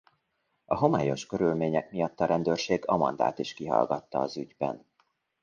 A homályos körülmények miatt a rendőrség Amandát is kihallgatta az ügyben.